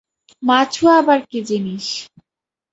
মাছুয়া আবার কী জিনিস?